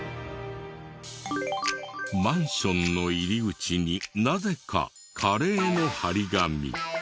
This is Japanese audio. マンションの入り口になぜかカレーの貼り紙。